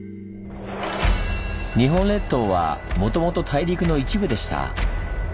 日本列島はもともと大陸の一部でした。